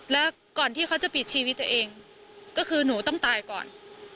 แล้วก่อนที่เขาจะปิดชีวิตตัวเองก็คือหนูต้องตายก่อน